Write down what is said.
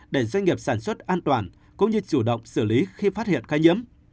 để doanh nghiệp sản xuất an toàn cũng như chủ động xử lý khi phát hiện ca nhiễm